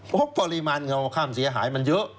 เพราะปริมาณเงาข้ามเสียหายมันเยอะ